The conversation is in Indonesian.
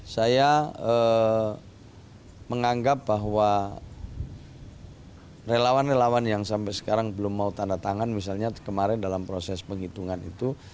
saya menganggap bahwa relawan relawan yang sampai sekarang belum mau tanda tangan misalnya kemarin dalam proses penghitungan itu